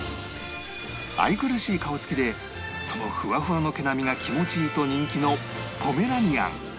愛くるしい顔つきでそのふわふわの毛並みが気持ちいいと人気のポメラニアン